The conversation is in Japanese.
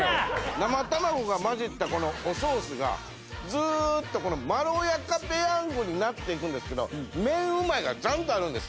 生卵が混じったこのおソースがずーっとまろやかペヤングになっていくんですけど麺うまいがちゃんとあるんです。